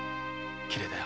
きれいだよ。